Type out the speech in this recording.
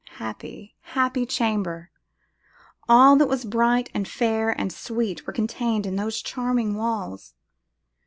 Happy, happy chamber! All that was bright and fair and sweet were concentrated in those charming walls!